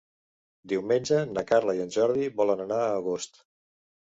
Diumenge na Carla i en Jordi volen anar a Agost.